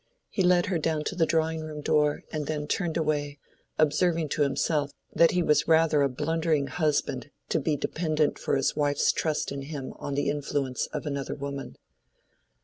He led her down to the drawing room door, and then turned away, observing to himself that he was rather a blundering husband to be dependent for his wife's trust in him on the influence of another woman.